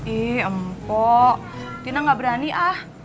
eh empok tina nggak berani ah